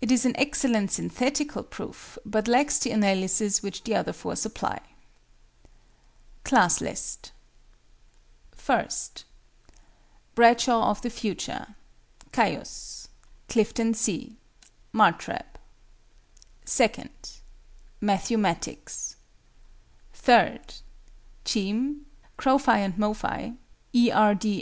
It is an excellent synthetical proof, but lacks the analysis which the other four supply. CLASS LIST. I. BRADSHAW OF THE FUTURE CAIUS. CLIFTON C. MARTREB. II. MATTHEW MATTICKS. III. CHEAM. CROPHI AND MOPHI. E. R. D.